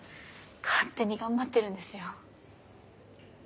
勝手に頑張ってるんですよ。